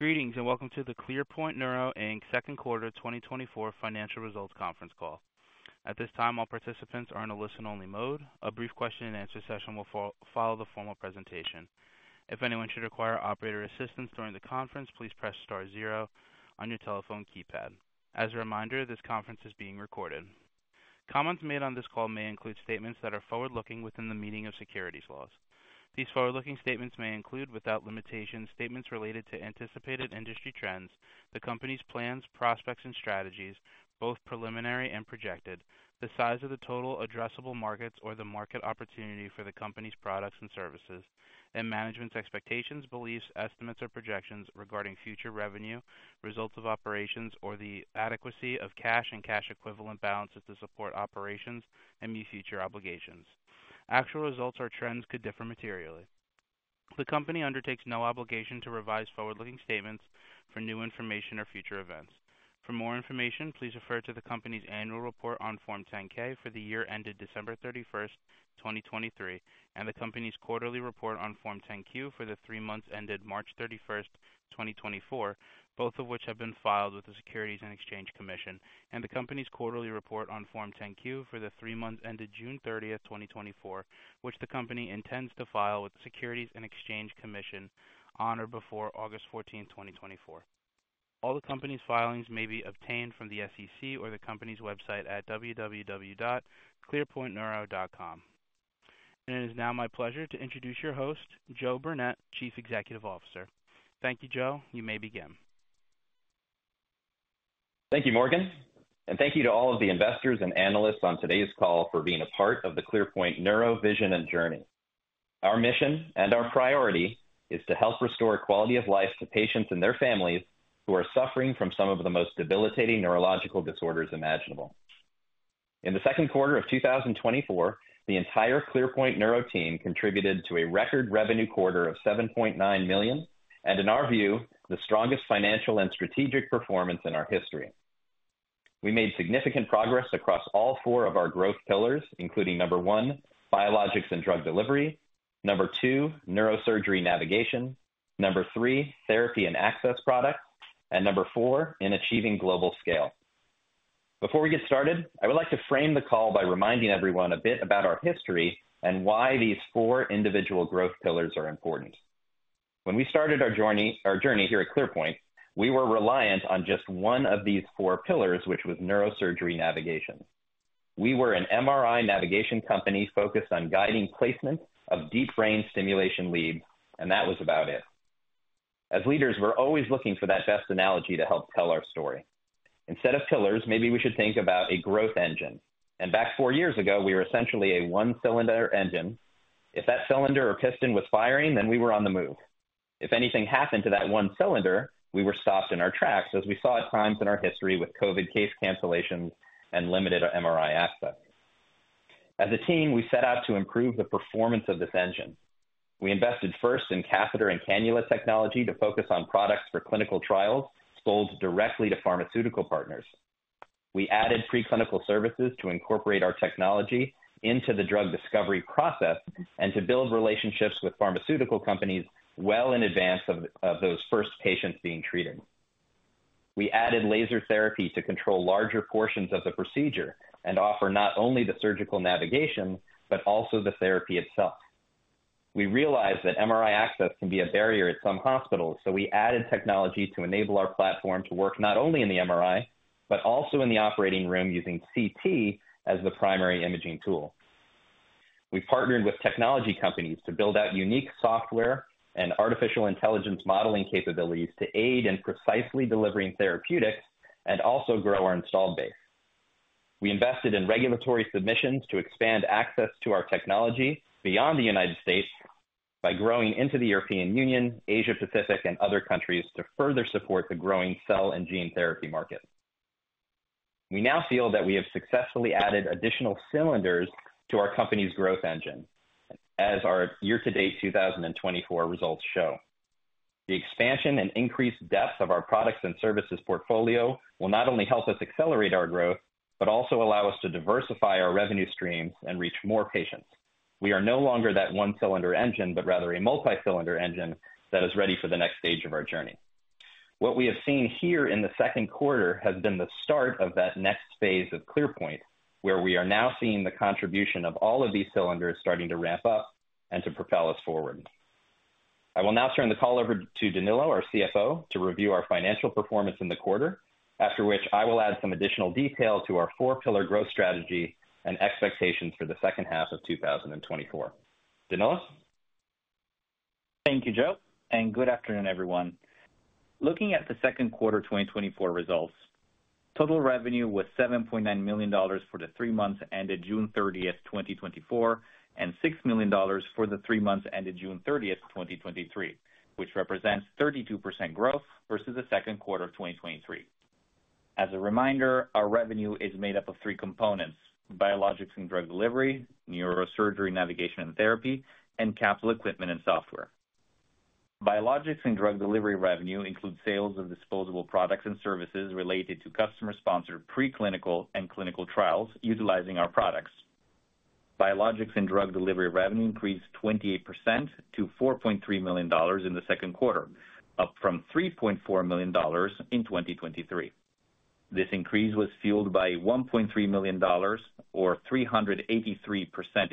Greetings and welcome to the ClearPoint Neuro Joe Burnett, Second Quarter 2024 Financial Results Conference Call. At this time, all participants are in a listen-only mode. A brief question-and-answer session will follow the formal presentation. If anyone should require operator assistance during the conference, please press star zero on your telephone keypad. As a reminder, this conference is being recorded. Comments made on this call may include statements that are forward-looking within the meaning of securities laws. These forward-looking statements may include, without limitations, statements related to anticipated industry trends, the company's plans, prospects, and strategies, both preliminary and projected, the size of the total addressable markets or the market opportunity for the company's products and services, and management's expectations, beliefs, estimates, or projections regarding future revenue, results of operations, or the adequacy of cash and cash-equivalent balances to support operations and future obligations. Actual results or trends could differ materially. The company undertakes no obligation to revise forward-looking statements for new information or future events. For more information, please refer to the company's annual report on Form 10-K for the year ended December 31st, 2023, and the company's quarterly report on Form 10-Q for the three months ended March 31st, 2024, both of which have been filed with the Securities and Exchange Commission, and the company's quarterly report on Form 10-Q for the three months ended June 30th, 2024, which the company intends to file with the Securities and Exchange Commission on or before August 14th, 2024. All the company's filings may be obtained from the SEC or the company's website at www.clearpointneuro.com. It is now my pleasure to introduce your host, Joe Burnett, Chief Executive Officer. Thank you, Joe. You may begin. Thank you, Morgan. Thank you to all of the investors and analysts on today's call for being a part of the ClearPoint Neuro vision and journey. Our mission and our priority is to help restore quality of life to patients and their families who are suffering from some of the most debilitating neurological disorders imaginable. In the second quarter of 2024, the entire ClearPoint Neuro team contributed to a record revenue quarter of $7.9 million, and in our view, the strongest financial and strategic performance in our history. We made significant progress across all four of our growth pillars, including number one, biologics and drug delivery, number two, neurosurgery navigation, number three, therapy and access products, and number four, in achieving global scale. Before we get started, I would like to frame the call by reminding everyone a bit about our history and why these four individual growth pillars are important. When we started our journey here at ClearPoint, we were reliant on just one of these four pillars, which was neurosurgery navigation. We were an MRI navigation company focused on guiding placement of deep brain stimulation leads, and that was about it. As leaders, we're always looking for that best analogy to help tell our story. Instead of pillars, maybe we should think about a growth engine. Back four years ago, we were essentially a one-cylinder engine. If that cylinder or piston was firing, then we were on the move. If anything happened to that one cylinder, we were stopped in our tracks, as we saw at times in our history with COVID case cancellations and limited MRI access. As a team, we set out to improve the performance of this engine. We invested first in catheter and cannula technology to focus on products for clinical trials sold directly to pharmaceutical partners. We added preclinical services to incorporate our technology into the drug discovery process and to build relationships with pharmaceutical companies well in advance of those first patients being treated. We added laser therapy to control larger portions of the procedure and offer not only the surgical navigation but also the therapy itself. We realized that MRI access can be a barrier at some hospitals, so we added technology to enable our platform to work not only in the MRI but also in the operating room using CT as the primary imaging tool. We partnered with technology companies to build out unique software and artificial intelligence modeling capabilities to aid in precisely delivering therapeutics and also grow our installed base. We invested in regulatory submissions to expand access to our technology beyond the United States by growing into the European Union, Asia-Pacific, and other countries to further support the growing cell and gene therapy market. We now feel that we have successfully added additional cylinders to our company's growth engine, as our year-to-date 2024 results show. The expansion and increased depth of our products and services portfolio will not only help us accelerate our growth but also allow us to diversify our revenue streams and reach more patients. We are no longer that one-cylinder engine but rather a multi-cylinder engine that is ready for the next stage of our journey. What we have seen here in the second quarter has been the start of that next phase of ClearPoint, where we are now seeing the contribution of all of these cylinders starting to ramp up and to propel us forward. I will now turn the call over to Danilo, our CFO, to review our financial performance in the quarter, after which I will add some additional detail to our four-pillar growth strategy and expectations for the second half of 2024. Danilo? Thank you, Joe, and good afternoon, everyone. Looking at the second quarter 2024 results, total revenue was $7.9 million for the three months ended June 30th, 2024, and $6 million for the three months ended June 30th, 2023, which represents 32% growth versus the second quarter of 2023. As a reminder, our revenue is made up of three components: Biologics and Drug Delivery, neurosurgery navigation and therapy, and capital equipment and software. Biologics and Drug Delivery revenue includes sales of disposable products and services related to customer-sponsored preclinical and clinical trials utilizing our products. Biologics and Drug Delivery revenue increased 28% to $4.3 million in the second quarter, up from $3.4 million in 2023. This increase was fueled by a $1.3 million, or 383%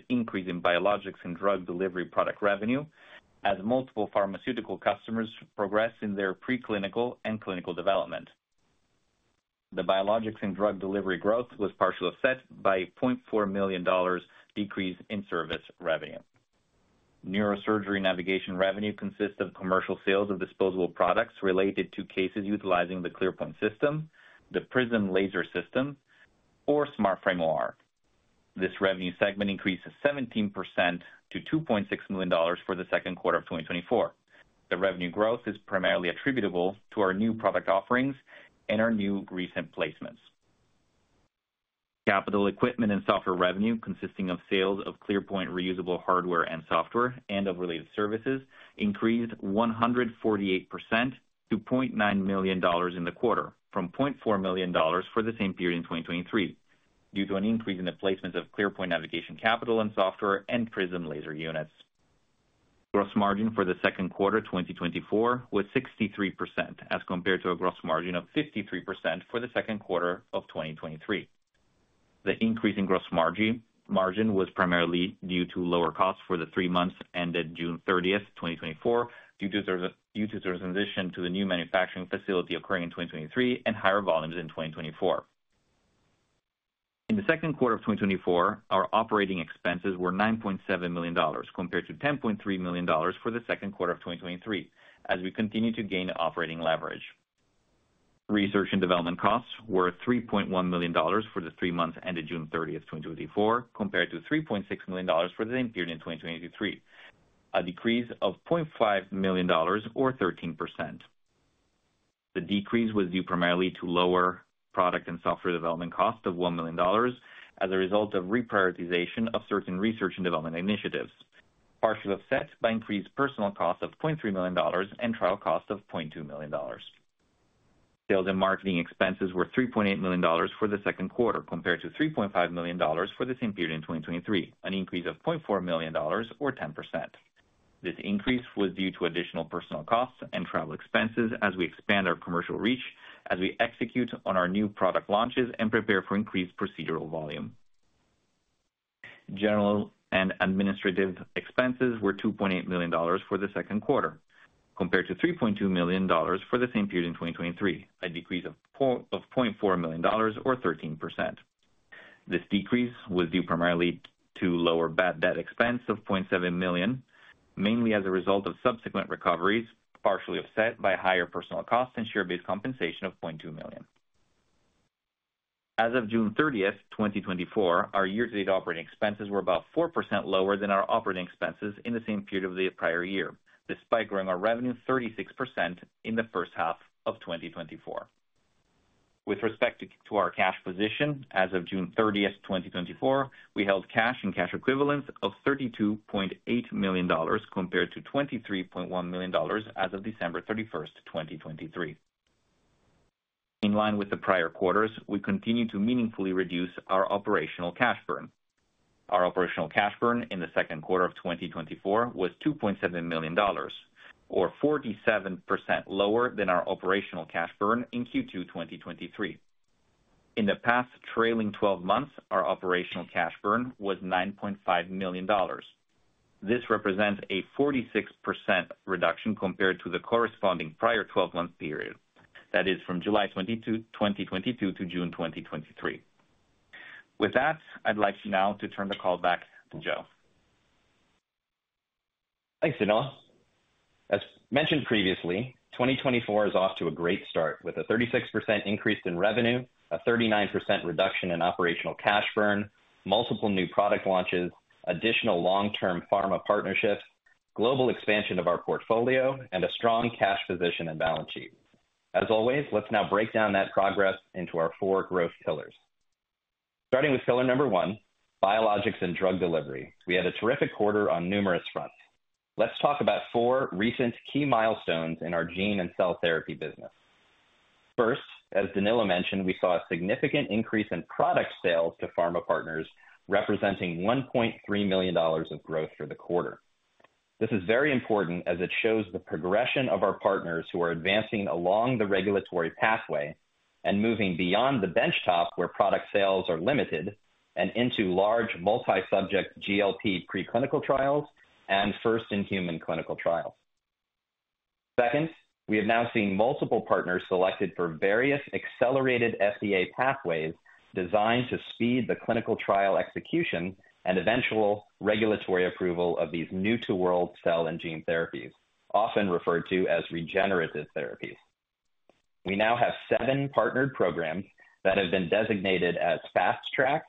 increase in biologics and drug delivery product revenue, as multiple pharmaceutical customers progress in their preclinical and clinical development. The Biologics and Drug Delivery growth was partially offset by a $0.4 million decrease in service revenue. Neurosurgery Navigation revenue consists of commercial sales of disposable products related to cases utilizing the ClearPoint system, the PRISM laser system, or SmartFrame OR. This revenue segment increased 17% to $2.6 million for the second quarter of 2024. The revenue growth is primarily attributable to our new product offerings and our new recent placements. Capital equipment and software revenue, consisting of sales of ClearPoint reusable hardware and software and of related services, increased 148% to $0.9 million in the quarter, from $0.4 million for the same period in 2023, due to an increase in the placements of ClearPoint Navigation capital and software and PRISM laser units. Gross margin for the second quarter 2024 was 63%, as compared to a gross margin of 53% for the second quarter of 2023. The increase in gross margin was primarily due to lower costs for the three months ended June 30th, 2024, due to the transition to the new manufacturing facility occurring in 2023 and higher volumes in 2024. In the second quarter of 2024, our operating expenses were $9.7 million, compared to $10.3 million for the second quarter of 2023, as we continue to gain operating leverage. Research and development costs were $3.1 million for the three months ended June 30th, 2024, compared to $3.6 million for the same period in 2023, a decrease of $0.5 million, or 13%. The decrease was due primarily to lower product and software development costs of $1 million, as a result of reprioritization of certain research and development initiatives, partially offset by increased personnel costs of $0.3 million and trial costs of $0.2 million. Sales and marketing expenses were $3.8 million for the second quarter, compared to $3.5 million for the same period in 2023, an increase of $0.4 million, or 10%. This increase was due to additional personnel costs and travel expenses as we expand our commercial reach, as we execute on our new product launches and prepare for increased procedural volume. General and administrative expenses were $2.8 million for the second quarter, compared to $3.2 million for the same period in 2023, a decrease of $0.4 million, or 13%. This decrease was due primarily to lower bad debt expense of $0.7 million, mainly as a result of subsequent recoveries, partially offset by higher personnel costs and share-based compensation of $0.2 million. As of June 30th, 2024, our year-to-date operating expenses were about 4% lower than our operating expenses in the same period of the prior year, despite growing our revenue 36% in the first half of 2024. With respect to our cash position, as of June 30th, 2024, we held cash and cash equivalents of $32.8 million compared to $23.1 million as of December 31st, 2023. In line with the prior quarters, we continue to meaningfully reduce our operational cash burn. Our operational cash burn in the second quarter of 2024 was $2.7 million, or 47% lower than our operational cash burn in Q2 2023. In the past trailing 12 months, our operational cash burn was $9.5 million. This represents a 46% reduction compared to the corresponding prior 12-month period, that is, from July 22, 2022, to June 2023. With that, I'd like now to turn the call back to Joe. Thanks, Danilo. As mentioned previously, 2024 is off to a great start with a 36% increase in revenue, a 39% reduction in operational cash burn, multiple new product launches, additional long-term pharma partnerships, global expansion of our portfolio, and a strong cash position and balance sheet. As always, let's now break down that progress into our four growth pillars. Starting with pillar number one, biologics and drug delivery, we had a terrific quarter on numerous fronts. Let's talk about four recent key milestones in our gene and cell therapy business. First, as Danilo mentioned, we saw a significant increase in product sales to pharma partners, representing $1.3 million of growth for the quarter. This is very important as it shows the progression of our partners who are advancing along the regulatory pathway and moving beyond the benchtop, where product sales are limited, and into large, multi-subject GLP preclinical trials and first-in-human clinical trials. Second, we have now seen multiple partners selected for various accelerated FDA pathways designed to speed the clinical trial execution and eventual regulatory approval of these new-to-world cell and gene therapies, often referred to as regenerative therapies. We now have seven partnered programs that have been designated as Fast Track,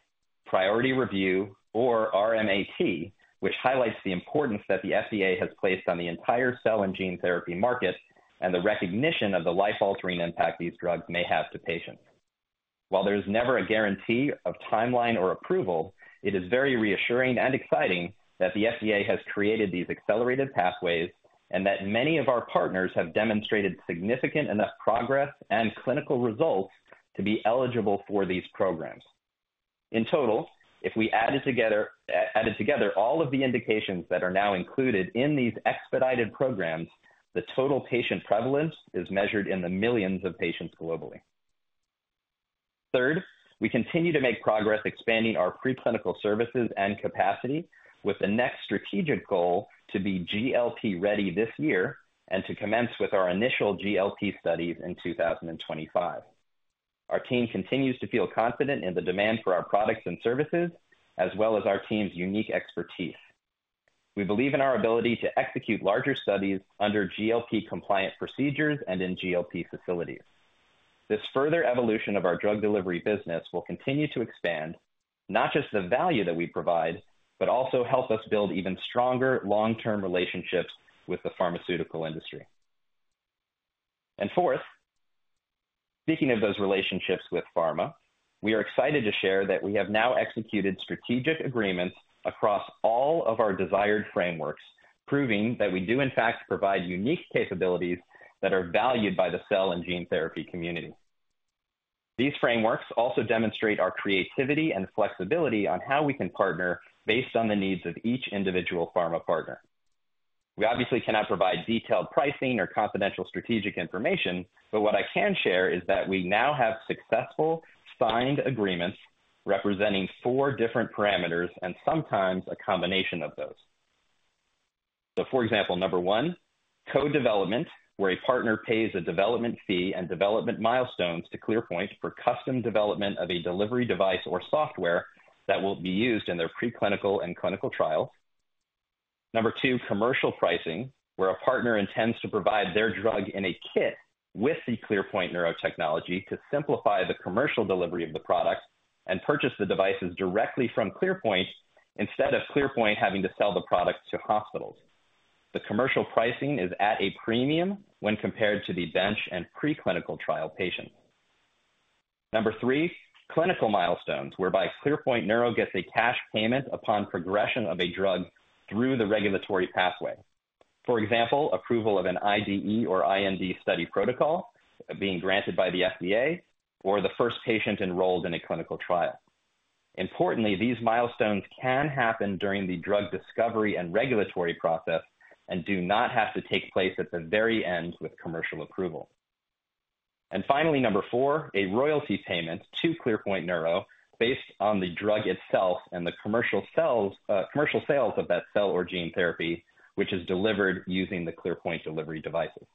Priority Review, or RMAT, which highlights the importance that the FDA has placed on the entire cell and gene therapy market and the recognition of the life-altering impact these drugs may have to patients. While there is never a guarantee of timeline or approval, it is very reassuring and exciting that the FDA has created these accelerated pathways and that many of our partners have demonstrated significant enough progress and clinical results to be eligible for these programs. In total, if we added together all of the indications that are now included in these expedited programs, the total patient prevalence is measured in the millions of patients globally. Third, we continue to make progress expanding our preclinical services and capacity with the next strategic goal to be GLP-ready this year and to commence with our initial GLP studies in 2025. Our team continues to feel confident in the demand for our products and services, as well as our team's unique expertise. We believe in our ability to execute larger studies under GLP-compliant procedures and in GLP facilities. This further evolution of our drug delivery business will continue to expand not just the value that we provide, but also help us build even stronger long-term relationships with the pharmaceutical industry. Fourth, speaking of those relationships with pharma, we are excited to share that we have now executed strategic agreements across all of our desired frameworks, proving that we do, in fact, provide unique capabilities that are valued by the cell and gene therapy community. These frameworks also demonstrate our creativity and flexibility on how we can partner based on the needs of each individual pharma partner. We obviously cannot provide detailed pricing or confidential strategic information, but what I can share is that we now have successful signed agreements representing four different parameters and sometimes a combination of those. So, for example, number one, co-development, where a partner pays a development fee and development milestones to ClearPoint for custom development of a delivery device or software that will be used in their preclinical and clinical trials. Number two, commercial pricing, where a partner intends to provide their drug in a kit with the ClearPoint Neuro technology to simplify the commercial delivery of the product and purchase the devices directly from ClearPoint instead of ClearPoint having to sell the product to hospitals. The commercial pricing is at a premium when compared to the bench and preclinical trial patients. Number three, clinical milestones, whereby ClearPoint Neuro gets a cash payment upon progression of a drug through the regulatory pathway. For example, approval of an IDE or IND study protocol being granted by the FDA or the first patient enrolled in a clinical trial. Importantly, these milestones can happen during the drug discovery and regulatory process and do not have to take place at the very end with commercial approval. Finally, number four, a royalty payment to ClearPoint Neuro based on the drug itself and the commercial sales of that cell or gene therapy, which is delivered using the ClearPoint delivery devices.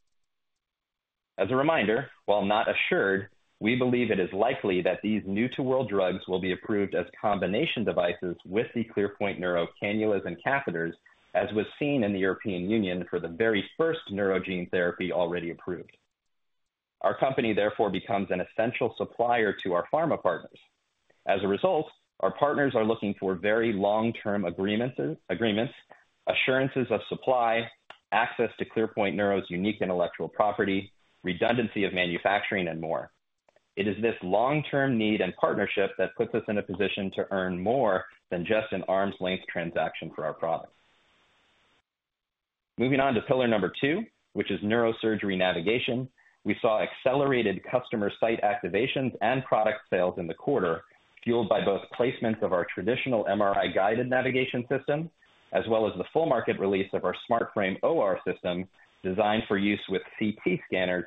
As a reminder, while not assured, we believe it is likely that these new-to-world drugs will be approved as combination devices with the ClearPoint Neuro cannulas and catheters, as was seen in the European Union for the very first neuro gene therapy already approved. Our company, therefore, becomes an essential supplier to our pharma partners. As a result, our partners are looking for very long-term agreements, assurances of supply, access to ClearPoint Neuro's unique intellectual property, redundancy of manufacturing, and more. It is this long-term need and partnership that puts us in a position to earn more than just an arm's length transaction for our product. Moving on to pillar number two, which is Neurosurgery Navigation, we saw accelerated customer site activations and product sales in the quarter, fueled by both placements of our traditional MRI-guided navigation system, as well as the full market release of our SmartFrame OR system designed for use with CT scanners.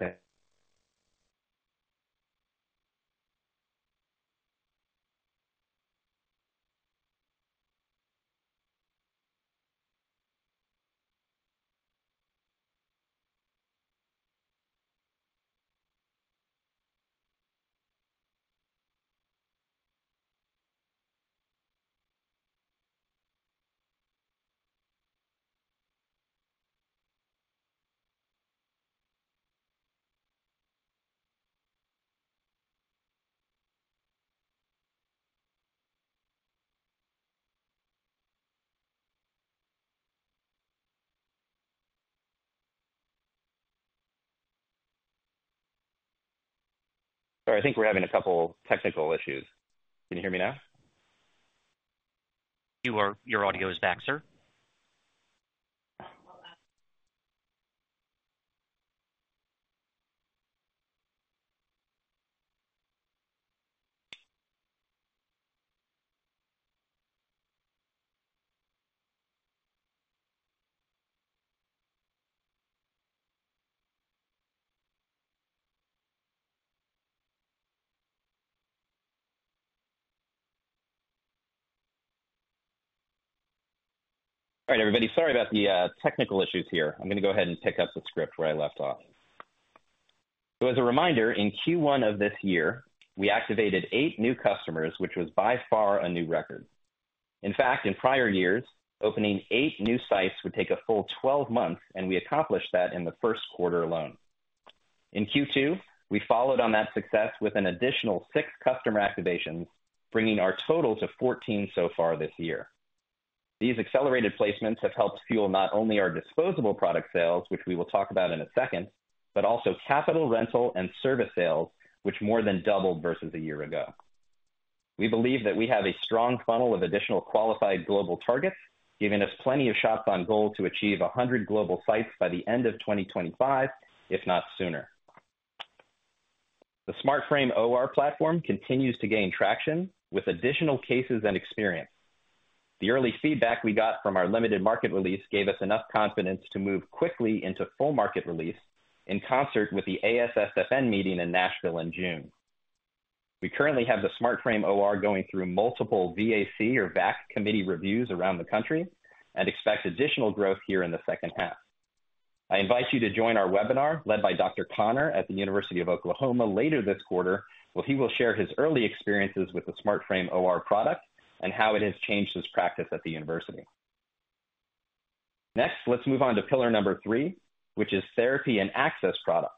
Sorry, I think we're having a couple of technical issues. Can you hear me now? Your audio is back, sir. All right, everybody. Sorry about the technical issues here. I'm going to go ahead and pick up the script where I left off. So, as a reminder, in Q1 of this year, we activated 8 new customers, which was by far a new record. In fact, in prior years, opening 8 new sites would take a full 12 months, and we accomplished that in the first quarter alone. In Q2, we followed on that success with an additional 6 customer activations, bringing our total to 14 so far this year. These accelerated placements have helped fuel not only our disposable product sales, which we will talk about in a second, but also capital rental and service sales, which more than doubled versus a year ago. We believe that we have a strong funnel of additional qualified global targets, giving us plenty of shots on goal to achieve 100 global sites by the end of 2025, if not sooner. The SmartFrame OR platform continues to gain traction with additional cases and experience. The early feedback we got from our limited market release gave us enough confidence to move quickly into full market release in concert with the ASSFN meeting in Nashville in June. We currently have the SmartFrame OR going through multiple VAC or VAC committee reviews around the country and expect additional growth here in the second half. I invite you to join our webinar led by Dr. Conner at the University of Oklahoma later this quarter, where he will share his early experiences with the SmartFrame OR product and how it has changed his practice at the university. Next, let's move on to pillar number three, which is Therapy and Access Products.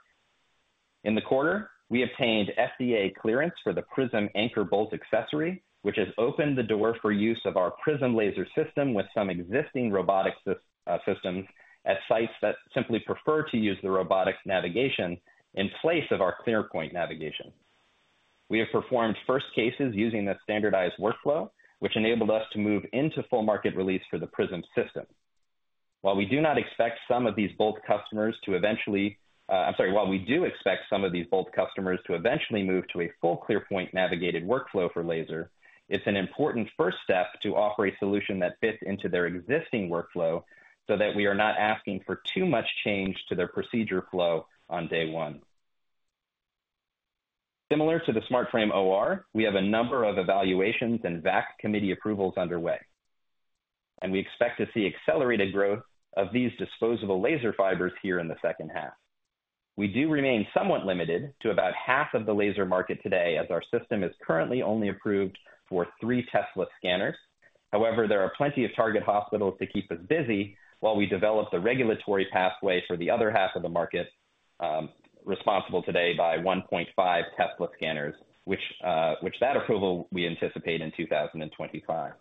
In the quarter, we obtained FDA clearance for the PRISM Anchor Bolt accessory, which has opened the door for use of our PRISM Laser system with some existing robotic systems at sites that simply prefer to use the robotic navigation in place of our ClearPoint navigation. We have performed first cases using that standardized workflow, which enabled us to move into full market release for the PRISM system. While we do not expect some of these bolt customers to eventually - I'm sorry, while we do expect some of these bolt customers to eventually move to a full ClearPoint navigated workflow for laser, it's an important first step to offer a solution that fits into their existing workflow so that we are not asking for too much change to their procedure flow on day one. Similar to the SmartFrame OR, we have a number of evaluations and VAC committee approvals underway, and we expect to see accelerated growth of these disposable laser fibers here in the second half. We do remain somewhat limited to about half of the laser market today, as our system is currently only approved for 3 Tesla scanners. However, there are plenty of target hospitals to keep us busy while we develop the regulatory pathway for the other half of the market responsible today by 1.5 Tesla scanners, which that approval we anticipate in 2025.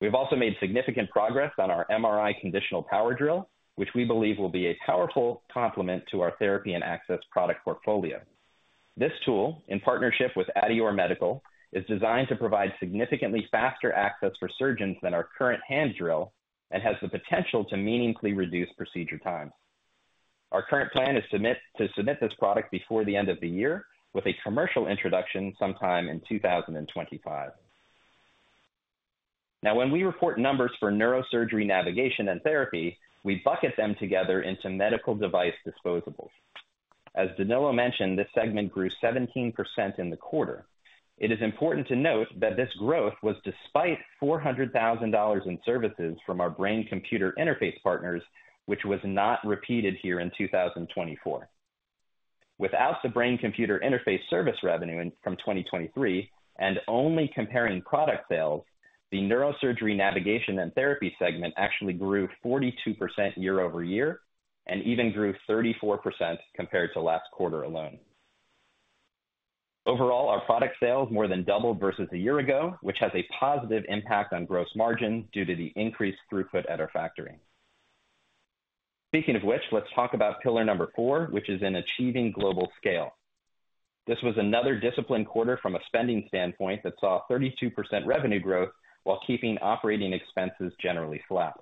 We have also made significant progress on our MRI Conditional Power Drill, which we believe will be a powerful complement to our Therapy and Access Products portfolio. This tool, in partnership with Adeor Medical, is designed to provide significantly faster access for surgeons than our current hand drill and has the potential to meaningfully reduce procedure time. Our current plan is to submit this product before the end of the year with a commercial introduction sometime in 2025. Now, when we report numbers for neurosurgery navigation and therapy, we bucket them together into medical device disposables. As Danilo mentioned, this segment grew 17% in the quarter. It is important to note that this growth was despite $400,000 in services from our brain-computer interface partners, which was not repeated here in 2024. Without the brain-computer interface service revenue from 2023 and only comparing product sales, the neurosurgery navigation and therapy segment actually grew 42% year-over-year and even grew 34% compared to last quarter alone. Overall, our product sales more than doubled versus a year ago, which has a positive impact on gross margins due to the increased throughput at our factory. Speaking of which, let's talk about pillar number four, which is in achieving global scale. This was another disciplined quarter from a spending standpoint that saw 32% revenue growth while keeping operating expenses generally flat.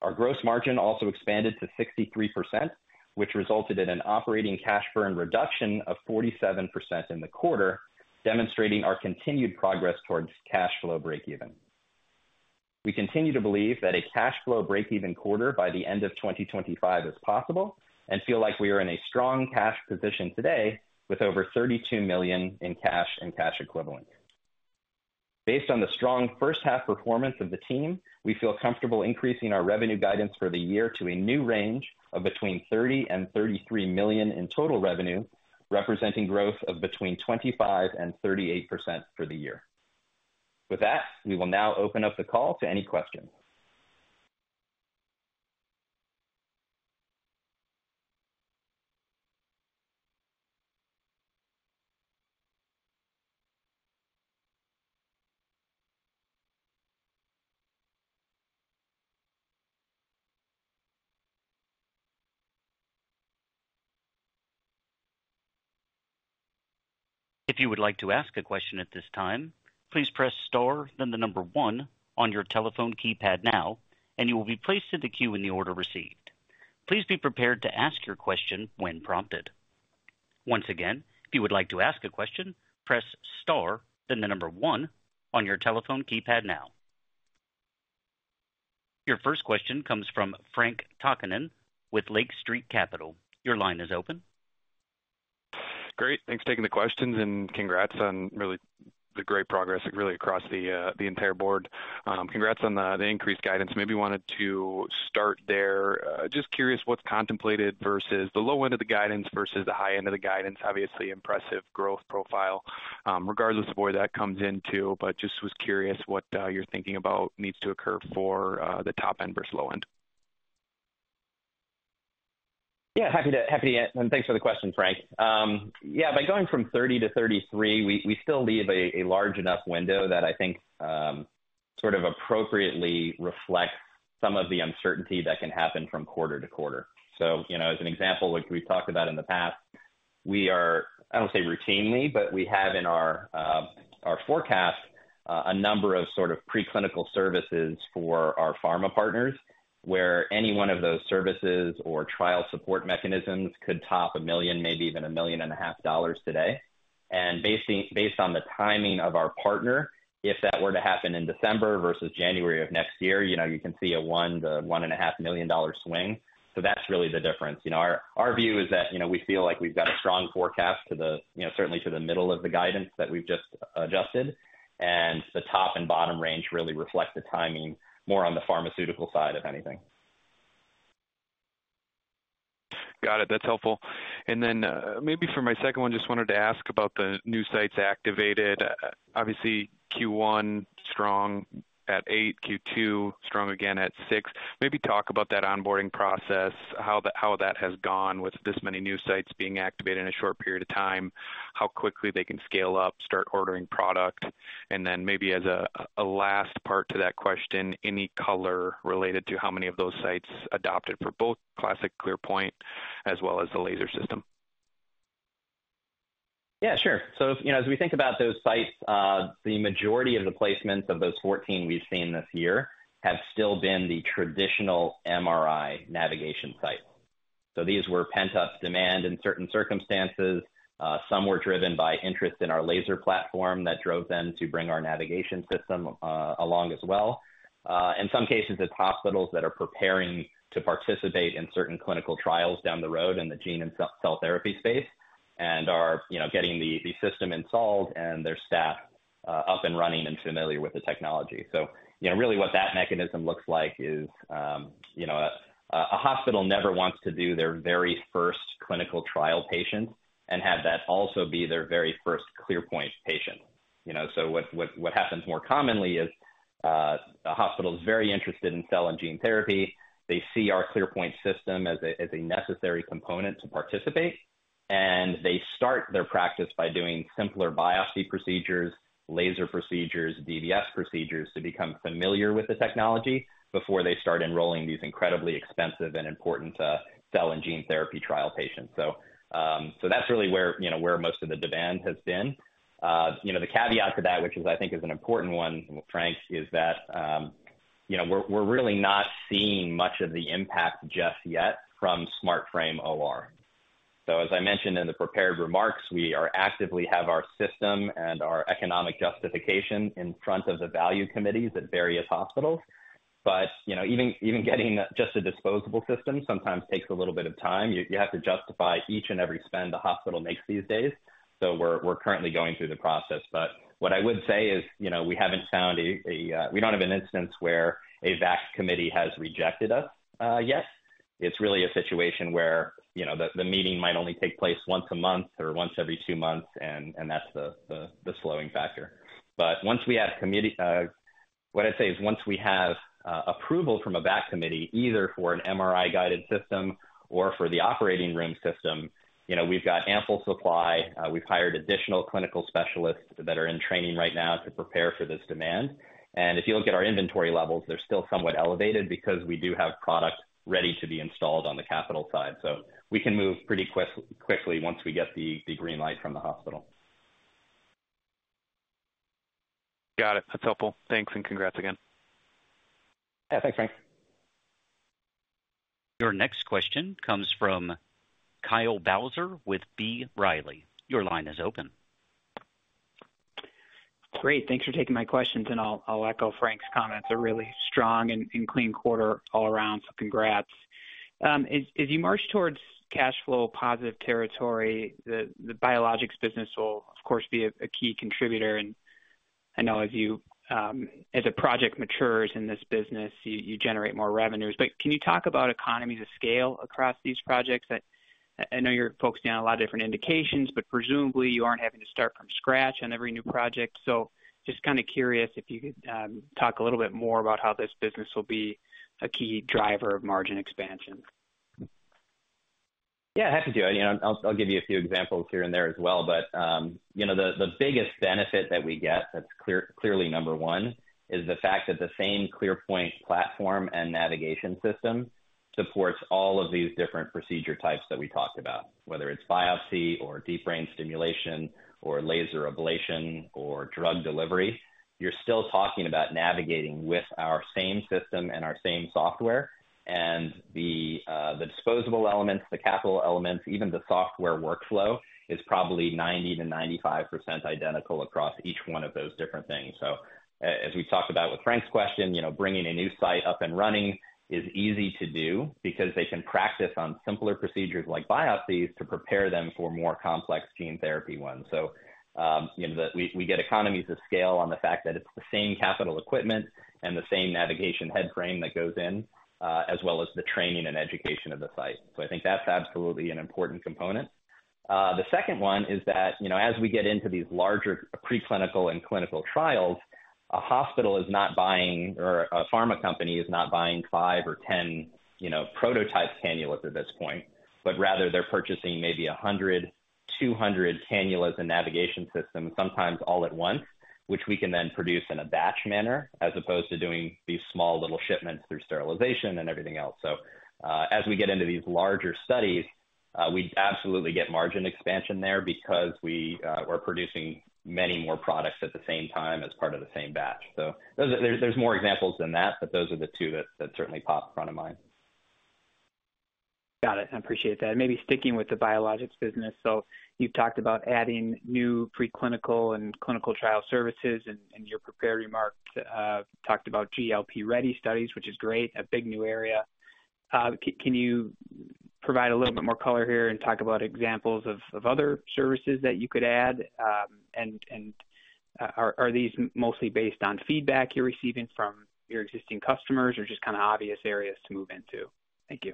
Our gross margin also expanded to 63%, which resulted in an operating cash burn reduction of 47% in the quarter, demonstrating our continued progress towards cash flow breakeven. We continue to believe that a cash flow breakeven quarter by the end of 2025 is possible and feel like we are in a strong cash position today with over $32 million in cash and cash equivalents. Based on the strong first-half performance of the team, we feel comfortable increasing our revenue guidance for the year to a new range of between $30 million and $33 million in total revenue, representing growth of between 25%-38% for the year. With that, we will now open up the call to any questions. If you would like to ask a question at this time, please press Star, then the number one on your telephone keypad now, and you will be placed in the queue in the order received. Please be prepared to ask your question when prompted. Once again, if you would like to ask a question, press Star, then the number one on your telephone keypad now. Your first question comes from Frank Takkinen with Lake Street Capital. Your line is open. Great. Thanks for taking the questions and congrats on really the great progress really across the entire board. Congrats on the increased guidance. Maybe wanted to start there. Just curious what's contemplated versus the low end of the guidance versus the high end of the guidance. Obviously, impressive growth profile regardless of where that comes into, but just was curious what you're thinking about needs to occur for the top end versus low end. Yeah, happy to answer. Thanks for the question, Frank. Yeah, by going from 30-33, we still leave a large enough window that I think sort of appropriately reflects some of the uncertainty that can happen from quarter to quarter. As an example, like we've talked about in the past, we are, I don't want to say routinely, but we have in our forecast a number of sort of preclinical services for our pharma partners where any one of those services or trial support mechanisms could top $1 million, maybe even $1.5 million today. And based on the timing of our partner, if that were to happen in December versus January of next year, you can see a $1-$1.5 million swing. That's really the difference. Our view is that we feel like we've got a strong forecast certainly to the middle of the guidance that we've just adjusted, and the top and bottom range really reflect the timing more on the pharmaceutical side of anything. Got it. That's helpful. And then maybe for my second one, just wanted to ask about the new sites activated. Obviously, Q1 strong at 8, Q2 strong again at 6. Maybe talk about that onboarding process, how that has gone with this many new sites being activated in a short period of time, how quickly they can scale up, start ordering product. And then maybe as a last part to that question, any color related to how many of those sites adopted for both classic ClearPoint as well as the laser system? Yeah, sure. So, as we think about those sites, the majority of the placements of those 14 we've seen this year have still been the traditional MRI navigation sites. So, these were pent-up demand in certain circumstances. Some were driven by interest in our laser platform that drove them to bring our navigation system along as well. In some cases, it's hospitals that are preparing to participate in certain clinical trials down the road in the gene and cell therapy space and are getting the system installed and their staff up and running and familiar with the technology. So, really what that mechanism looks like is a hospital never wants to do their very first clinical trial patient and have that also be their very first ClearPoint patient. So, what happens more commonly is a hospital is very interested in cell and gene therapy. They see our ClearPoint system as a necessary component to participate, and they start their practice by doing simpler biopsy procedures, laser procedures, DBS procedures to become familiar with the technology before they start enrolling these incredibly expensive and important cell and gene therapy trial patients. So, that's really where most of the demand has been. The caveat to that, which I think is an important one, Frank, is that we're really not seeing much of the impact just yet from SmartFrame OR. So, as I mentioned in the prepared remarks, we actively have our system and our economic justification in front of the value committees at various hospitals. But even getting just a disposable system sometimes takes a little bit of time. You have to justify each and every spend the hospital makes these days. So, we're currently going through the process. But what I would say is we don't have an instance where a VAC committee has rejected us yet. It's really a situation where the meeting might only take place once a month or once every two months, and that's the slowing factor. But once we have—what I'd say is once we have approval from a VAC committee, either for an MRI-guided system or for the operating room system, we've got ample supply. We've hired additional clinical specialists that are in training right now to prepare for this demand. And if you look at our inventory levels, they're still somewhat elevated because we do have product ready to be installed on the capital side. So, we can move pretty quickly once we get the green light from the hospital. Got it. That's helpful. Thanks and congrats again. Yeah, thanks, Frank. Your next question comes from Kyle Bauser with B. Riley. Your line is open. Great. Thanks for taking my questions. I'll echo Frank's comments. A really strong and clean quarter all around. Congrats. As you march towards cash flow positive territory, the biologics business will, of course, be a key contributor. I know as a project matures in this business, you generate more revenues. Can you talk about economies of scale across these projects? I know you're focusing on a lot of different indications, but presumably you aren't having to start from scratch on every new project. Just kind of curious if you could talk a little bit more about how this business will be a key driver of margin expansion. Yeah, happy to. I'll give you a few examples here and there as well. But the biggest benefit that we get, that's clearly number one, is the fact that the same ClearPoint platform and navigation system supports all of these different procedure types that we talked about, whether it's biopsy or deep brain stimulation or laser ablation or drug delivery. You're still talking about navigating with our same system and our same software. And the disposable elements, the capital elements, even the software workflow is probably 90%-95% identical across each one of those different things. So, as we talked about with Frank's question, bringing a new site up and running is easy to do because they can practice on simpler procedures like biopsies to prepare them for more complex gene therapy ones. So, we get economies of scale on the fact that it's the same capital equipment and the same navigation head frame that goes in, as well as the training and education of the site. So, I think that's absolutely an important component. The second one is that as we get into these larger preclinical and clinical trials, a hospital is not buying or a pharma company is not buying 5 or 10 prototype cannulas at this point, but rather they're purchasing maybe 100, 200 cannulas and navigation systems, sometimes all at once, which we can then produce in a batch manner as opposed to doing these small little shipments through sterilization and everything else. So, as we get into these larger studies, we absolutely get margin expansion there because we are producing many more products at the same time as part of the same batch. There's more examples than that, but those are the two that certainly pop front of mind. Got it. I appreciate that. Maybe sticking with the biologics business. So, you've talked about adding new preclinical and clinical trial services, and your prepared remark talked about GLP ready studies, which is great, a big new area. Can you provide a little bit more color here and talk about examples of other services that you could add? And are these mostly based on feedback you're receiving from your existing customers or just kind of obvious areas to move into? Thank you.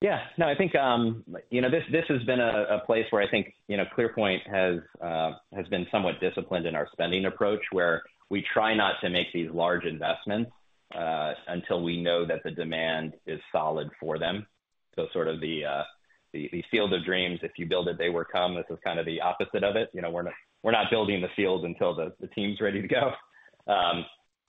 Yeah. No, I think this has been a place where I think ClearPoint has been somewhat disciplined in our spending approach where we try not to make these large investments until we know that the demand is solid for them. So, sort of the field of dreams, if you build it, they will come. This is kind of the opposite of it. We're not building the field until the team's ready to go.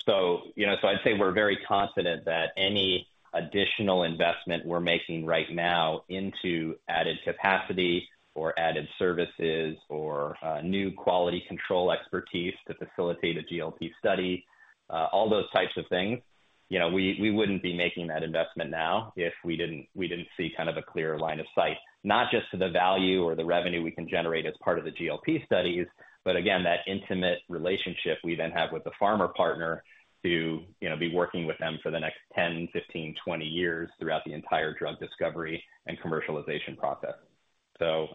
So, I'd say we're very confident that any additional investment we're making right now into added capacity or added services or new quality control expertise to facilitate a GLP study, all those types of things, we wouldn't be making that investment now if we didn't see kind of a clear line of sight, not just to the value or the revenue we can generate as part of the GLP studies, but again, that intimate relationship we then have with the pharma partner to be working with them for the next 10, 15, 20 years throughout the entire drug discovery and commercialization process. So,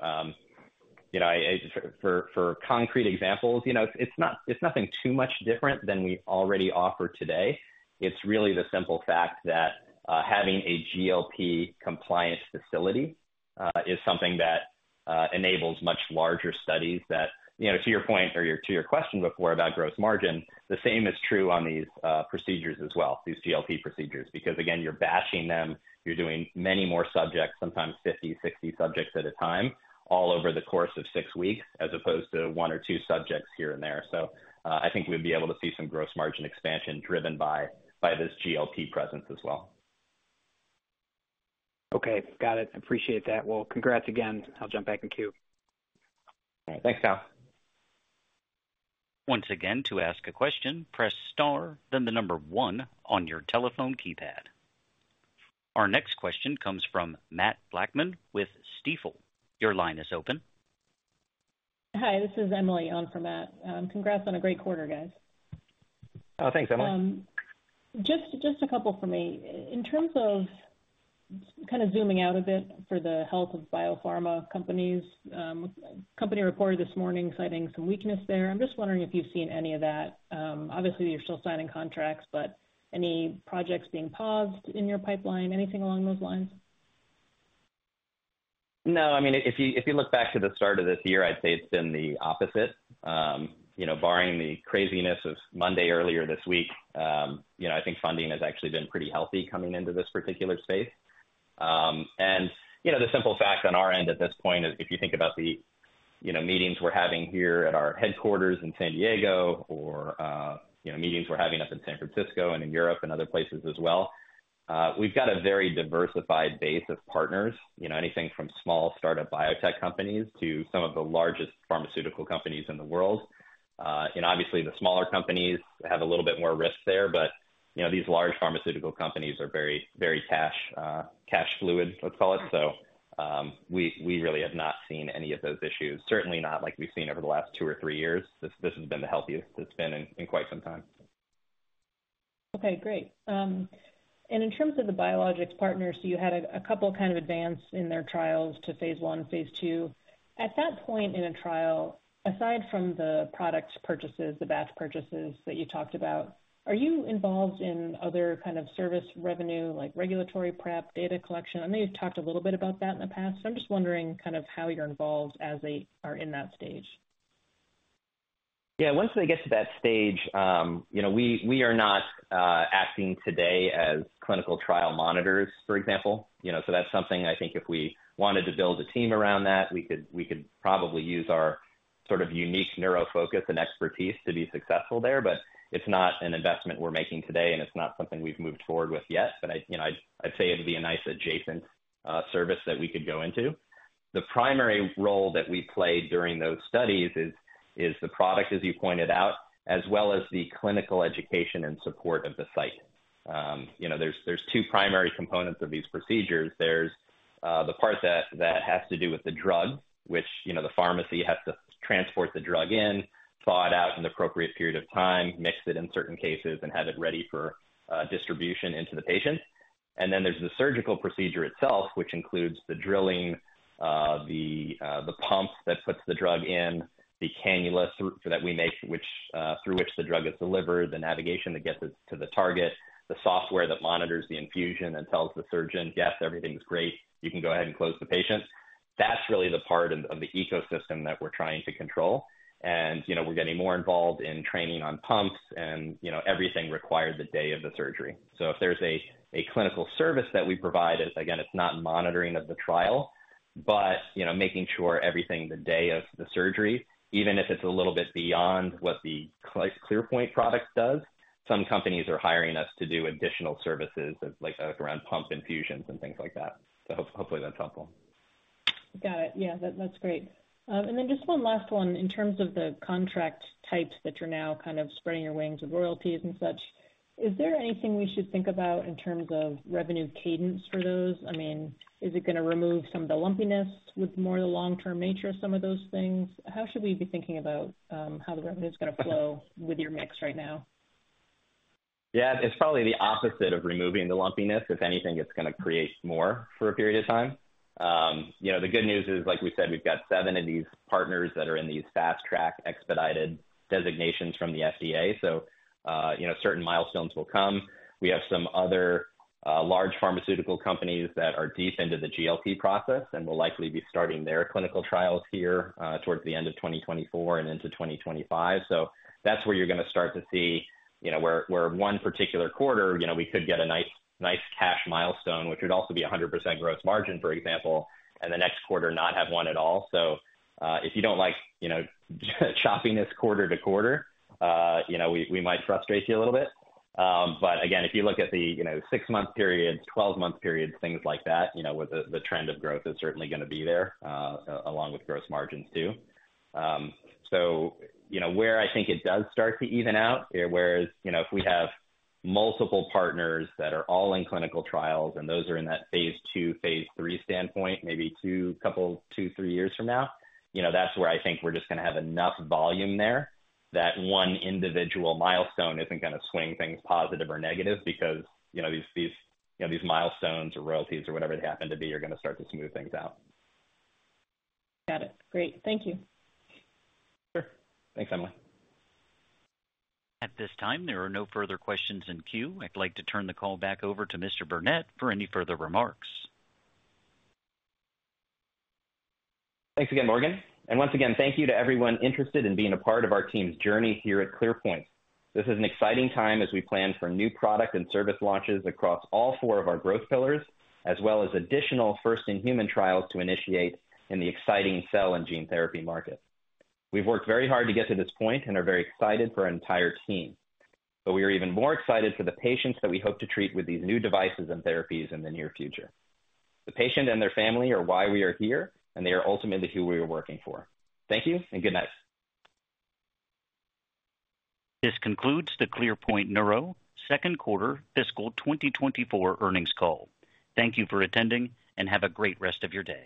for concrete examples, it's nothing too much different than we already offer today. It's really the simple fact that having a GLP compliance facility is something that enables much larger studies that, to your point or to your question before about gross margin, the same is true on these procedures as well, these GLP procedures, because again, you're batching them, you're doing many more subjects, sometimes 50, 60 subjects at a time all over the course of six weeks as opposed to one or two subjects here and there. So, I think we'd be able to see some gross margin expansion driven by this GLP presence as well. Okay. Got it. Appreciate that. Well, congrats again. I'll jump back in queue. Thanks, Kyle. Once again, to ask a question, press Star, then the number one on your telephone keypad. Our next question comes from Mathew Blackman with Stifel. Your line is open. Hi, this is Emily on for Matt. Congrats on a great quarter, guys. Oh, thanks, Emily. Just a couple for me. In terms of kind of zooming out a bit for the health of biopharma companies, a company reported this morning citing some weakness there. I'm just wondering if you've seen any of that. Obviously, you're still signing contracts, but any projects being paused in your pipeline, anything along those lines? No, I mean, if you look back to the start of this year, I'd say it's been the opposite. Barring the craziness of Monday earlier this week, I think funding has actually been pretty healthy coming into this particular space. And the simple fact on our end at this point is if you think about the meetings we're having here at our headquarters in San Diego or meetings we're having up in San Francisco and in Europe and other places as well, we've got a very diversified base of partners, anything from small startup biotech companies to some of the largest pharmaceutical companies in the world. And obviously, the smaller companies have a little bit more risk there, but these large pharmaceutical companies are very cash fluid, let's call it. We really have not seen any of those issues, certainly not like we've seen over the last 2 or 3 years. This has been the healthiest it's been in quite some time. Okay, great. In terms of the biologics partners, you had a couple kind of advance in their trials to phase 1, phase 2. At that point in a trial, aside from the product purchases, the batch purchases that you talked about, are you involved in other kind of service revenue like regulatory prep, data collection? I know you've talked a little bit about that in the past, but I'm just wondering kind of how you're involved as they are in that stage. Yeah, once they get to that stage, we are not acting today as clinical trial monitors, for example. So, that's something I think if we wanted to build a team around that, we could probably use our sort of unique neuro focus and expertise to be successful there. But it's not an investment we're making today, and it's not something we've moved forward with yet. But I'd say it'd be a nice adjacent service that we could go into. The primary role that we played during those studies is the product, as you pointed out, as well as the clinical education and support of the site. There's two primary components of these procedures. There's the part that has to do with the drug, which the pharmacy has to transport the drug in, thaw it out in the appropriate period of time, mix it in certain cases, and have it ready for distribution into the patient. And then there's the surgical procedure itself, which includes the drilling, the pump that puts the drug in, the cannulas that we make, through which the drug is delivered, the navigation that gets it to the target, the software that monitors the infusion and tells the surgeon, "Yes, everything's great. You can go ahead and close the patient." That's really the part of the ecosystem that we're trying to control. And we're getting more involved in training on pumps and everything required the day of the surgery. So, if there's a clinical service that we provide, again, it's not monitoring of the trial, but making sure everything the day of the surgery, even if it's a little bit beyond what the ClearPoint product does, some companies are hiring us to do additional services like around pump infusions and things like that. So, hopefully, that's helpful. Got it. Yeah, that's great. Then just one last one. In terms of the contract types that you're now kind of spreading your wings with royalties and such, is there anything we should think about in terms of revenue cadence for those? I mean, is it going to remove some of the lumpiness with more of the long-term nature of some of those things? How should we be thinking about how the revenue is going to flow with your mix right now? Yeah, it's probably the opposite of removing the lumpiness. If anything, it's going to create more for a period of time. The good news is, like we said, we've got seven of these partners that are in these fast track expedited designations from the FDA. So, certain milestones will come. We have some other large pharmaceutical companies that are deep into the GLP process and will likely be starting their clinical trials here towards the end of 2024 and into 2025. So, that's where you're going to start to see where one particular quarter, we could get a nice cash milestone, which would also be 100% gross margin, for example, and the next quarter not have one at all. So, if you don't like chopping this quarter to quarter, we might frustrate you a little bit. But again, if you look at the 6-month period, 12-month period, things like that, the trend of growth is certainly going to be there along with gross margins too. So, where I think it does start to even out, whereas if we have multiple partners that are all in clinical trials and those are in that phase 2, phase 3 standpoint, maybe 2, couple, 2, 3 years from now, that's where I think we're just going to have enough volume there that one individual milestone isn't going to swing things positive or negative because these milestones or royalties or whatever they happen to be, you're going to start to smooth things out. Got it. Great. Thank you. Sure. Thanks, Emily. At this time, there are no further questions in queue. I'd like to turn the call back over to Mr. Burnett for any further remarks. Thanks again, Morgan. Once again, thank you to everyone interested in being a part of our team's journey here at ClearPoint. This is an exciting time as we plan for new product and service launches across all four of our growth pillars, as well as additional first-in-human trials to initiate in the exciting cell and gene therapy market. We've worked very hard to get to this point and are very excited for our entire team. But we are even more excited for the patients that we hope to treat with these new devices and therapies in the near future. The patient and their family are why we are here, and they are ultimately who we are working for. Thank you and good night. This concludes the ClearPoint Neuro second quarter fiscal 2024 earnings call. Thank you for attending and have a great rest of your day.